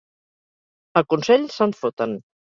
A Consell se'n foten.